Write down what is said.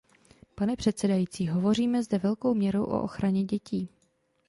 Pane předsedající, hovoříme zde velkou měrou o ochraně dětí.